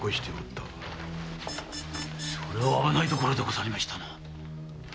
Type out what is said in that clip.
それは危ないところでござりましたな。